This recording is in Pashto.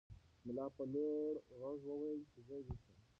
ملا په لوړ غږ وویل چې زه ویښ یم.